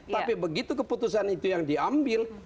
tapi begitu keputusan itu yang diambil